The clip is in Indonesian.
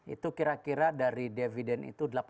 itu kira kira dari dividen itu